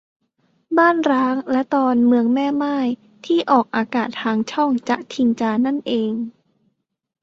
บ้านร้าง และตอน เมืองแม่ม่าย ที่ออกอากาศทางช่องจ๊ะทิงจานั่นเอง